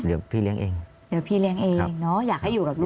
เดี๋ยวพี่เลี้ยงเองอยากให้อยู่กับลูก